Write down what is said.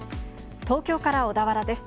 東京から小田原です。